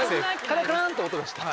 カランカランって音がした。